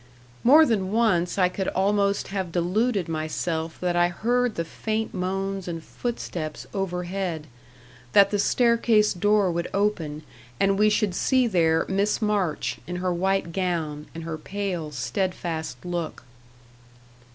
More than once I could almost have deluded myself that I heard the faint moans and footsteps over head that the staircase door would open, and we should see there Miss March, in her white gown, and her pale, steadfast look.